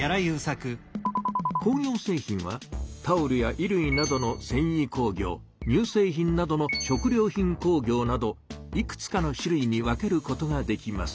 工業製品はタオルや衣類などのせんい工業にゅう製品などの食料品工業などいくつかの種類に分けることができます。